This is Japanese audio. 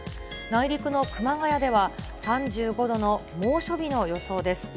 内陸の熊谷では３５度の猛暑日の予想です。